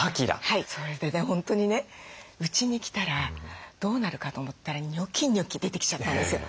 それで本当にねうちに来たらどうなるかと思ったらニョキニョキ出てきちゃったんですよ。